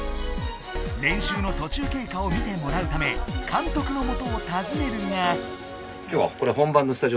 練習の途中経過を見てもらうため監督のもとをたずねるが。